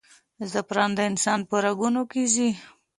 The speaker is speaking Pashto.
زعفران د افغانستان په رګونو کې ځي.